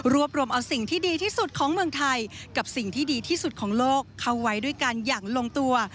รวบรวมเอาสิ่งที่ดีที่สุดของเมืองไทยกับสิ่งที่ดีที่สุดของโลกเข้าไว้ด้วยกันอย่างลงตัว